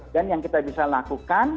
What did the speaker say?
yang kita bisa lakukan